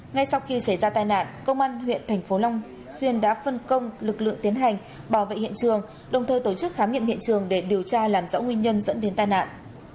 ngay sau khi xảy ra tai nạn công an huyện thành phố long xuyên đã phân công lực lượng tiến hành bảo vệ hiện trường đồng thời tổ chức khám nghiệm hiện trường để điều tra làm rõ nguyên nhân dẫn đến tai nạn